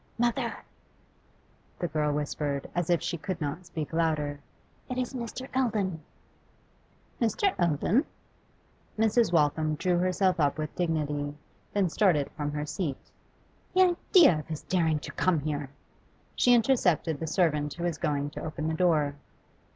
'Mother,' the girl whispered, as if she could not speak louder, 'it is Mr. Eldon.' 'Mr. Eldon?' Mrs. Waltham drew herself up with dignity, then started from her seat. 'The idea of his daring to come here!' She intercepted the servant who was going to open the door.